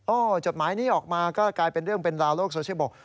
จดหมายนี้ออกมาก็กลายเป็นเรื่องเป็นราวโลกโซเชียลบอก